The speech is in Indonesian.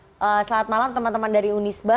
selamat malam teman teman dari unisba